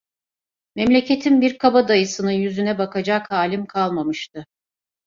Memleketin bir kabadayısının yüzüne bakacak halim kalmamıştı.